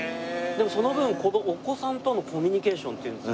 でもその分お子さんとのコミュニケーションっていうんですか？